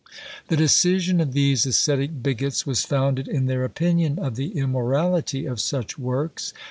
The decision of these ascetic bigots was founded in their opinion of the immorality of such works.